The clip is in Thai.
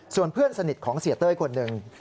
ส่วนเพื่อนสนิทของเสียเต้ยคนหนึ่ง